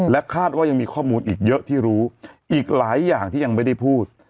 คาดว่ายังมีข้อมูลอีกเยอะที่รู้อีกหลายอย่างที่ยังไม่ได้พูด